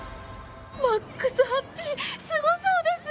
マックスハッピーすごそうです！